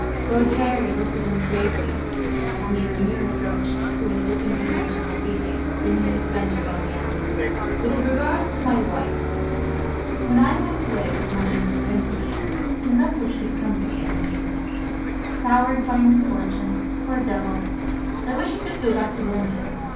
Lord Harry looked at him gravely, and made a nearer approach to an open confession of feeling than he had ventured on yet. "With regard now to my wife. When I went away this morning with Vimpany he's not such good company as he used to be; soured by misfortune, poor devil; I wish he would go back to London.